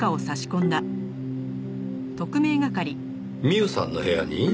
ミウさんの部屋に？